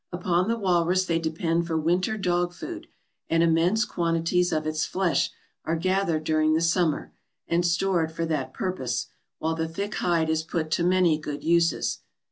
Upon the walrus they depend for winter dog food, and immense quantities of its flesh are gathered during the summer and stored for that purpose, while the thick hide is put to many good uses.